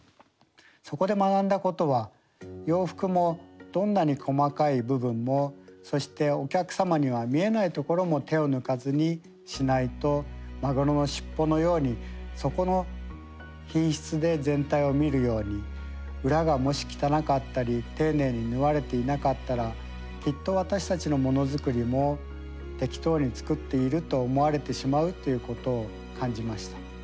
そこで学んだことは洋服もどんなに細かい部分もそしてお客様には見えないところも手を抜かずにしないとマグロの尻尾のようにそこの品質で全体を見るように裏がもし汚かったり丁寧に縫われていなかったらきっと私たちのものづくりも適当に作っていると思われてしまうということを感じました。